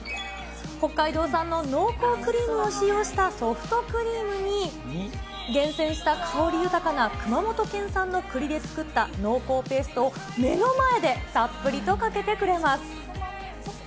北海道産の濃厚クリームを使用したソフトクリームに、厳選した香り豊かな熊本県産の栗で作った濃厚ペーストを目の前でたっぷりとかけてくれます。